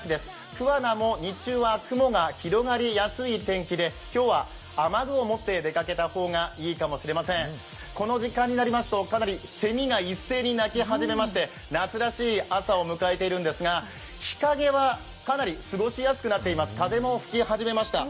桑名も日中は雲が広がりやすい天気で今日は雨具を持って出かけた方がいいかもしれません、この時間になりますとかなり、せみが一斉に鳴き始めまして夏らしい朝を迎えているんですが、日陰はかなり過ごしやすくなってきています。